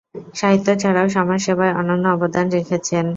সাহিত্য ছাড়াও সমাজসেবায় অনন্য অবদান রেখেছেন।